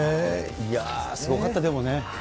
いやあ、すごかった、でもね。